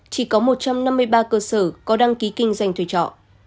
chỉ có một trăm năm mươi ba cơ sở có đăng ký kinh doanh thuê trọ